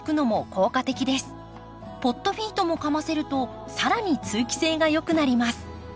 ポットフィートもかませると更に通気性がよくなります。